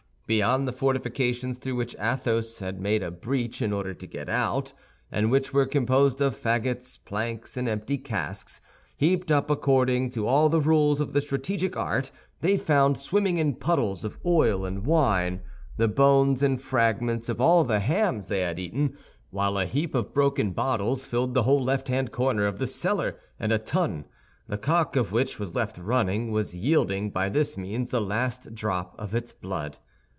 Beyond the fortifications through which Athos had made a breach in order to get out, and which were composed of fagots, planks, and empty casks, heaped up according to all the rules of the strategic art, they found, swimming in puddles of oil and wine, the bones and fragments of all the hams they had eaten; while a heap of broken bottles filled the whole left hand corner of the cellar, and a tun, the cock of which was left running, was yielding, by this means, the last drop of its blood.